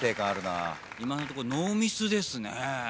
今のとこノーミスですね。